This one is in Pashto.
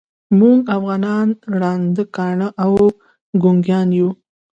موږ افغانان ړانده، کاڼه او ګونګیان یوو.